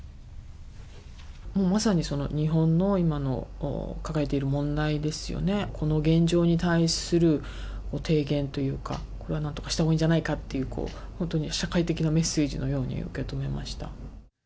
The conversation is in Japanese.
もうまさに日本の今の抱えている問題ですよね、この現状に対する提言というか、これはなんとかしたほうがいいんじゃないかというような、本当に社会的なメッセージのように受け止めました。